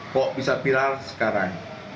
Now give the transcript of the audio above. kok bisa viral sekarang